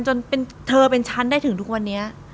จนเธอเป็นฉันได้ถึงทุกวันนี้